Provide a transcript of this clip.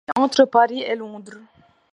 Elle vit entre Paris et Londres.